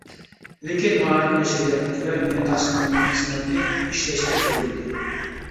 لېكىن مائارىپ نەشرىياتىدىكىلەر مېنى تەقسىم قىلىنغان خىزمەتنى ئىشلەشكە زورلىدى.